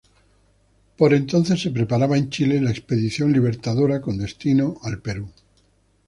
Por entonces se preparaba en Chile la Expedición Libertadora con destino al Perú.